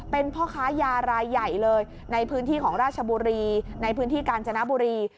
เป็นพ่อค้ายารายใหญ่เลยในพื้นที่ของราชบุรีในพื้นที่กาญจนบุรี